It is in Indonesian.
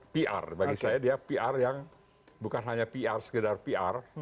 pr bagi saya dia pr yang bukan hanya pr sekedar pr